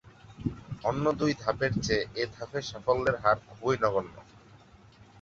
অন্য দুই ধাপের চেয়ে এ ধাপে সাফল্যের হার খুবই নগণ্য।